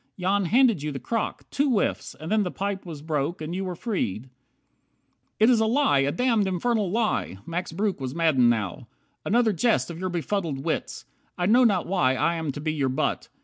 Jan handed you the crock. Two whiffs! And then the pipe was broke, and you were freed." 54 "It is a lie, a damned, infernal lie!" Max Breuck was maddened now. "Another jest Of your befuddled wits. I know not why I am to be your butt.